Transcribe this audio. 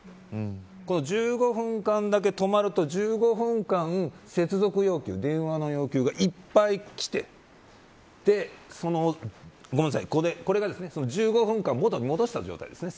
この１５分間だけ止まると１５分間、接続要求電話の要求がいっぱいきてこれが元に戻した状態ですね。